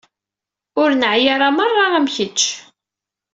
Ur neɛya ara merra am kečč.